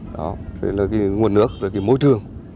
đó rồi là cái nguồn nước rồi cái môi trường